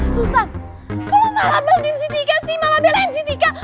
susah lo malah beliin si tika sih malah belain si tika